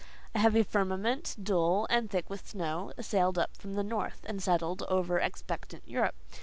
A heavy firmament, dull, and thick with snow, sailed up from the north, and settled over expectant Europe.